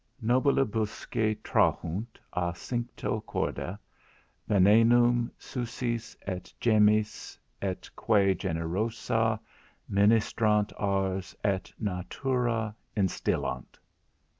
NOBILIBUSQUE TRAHUNT, A CINCTO CORDE, VENENUM, SUCCIS ET GEMMIS, ET QUÆ GENEROSA, MINISTRANT ARS, ET NATURA, INSTILLANT.